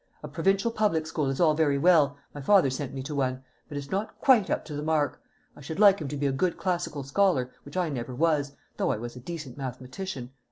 A provincial public school is all very well my father sent me to one but it's not quite up to the mark. I should like him to be a good classical scholar, which I never was, though I was a decent mathematician.